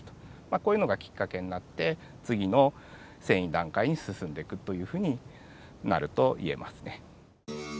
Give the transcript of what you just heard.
こういうのがきっかけになって次の遷移段階に進んでくというふうになるといえますね。